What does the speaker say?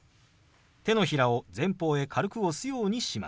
手のひらを前方へ軽く押すようにします。